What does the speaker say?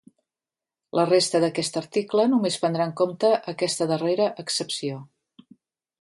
La resta d'aquest article només prendrà en compte aquesta darrera accepció.